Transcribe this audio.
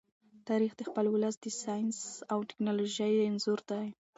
تاریخ د خپل ولس د ساینس او ټیکنالوژۍ انځور دی.